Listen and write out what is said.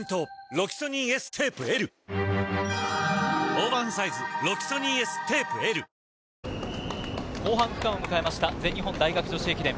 まだ後ろのラン後半区間を迎えました全日本大学女子駅伝。